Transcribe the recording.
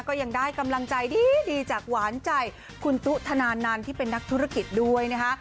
ก็ยังได้กำลังใจดีจากหวานใจคุณตุ๊ธนานันที่เป็นนักธุรกิจด้วยนะคะ